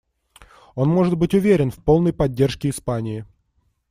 Он может быть уверен в полной поддержке Испании.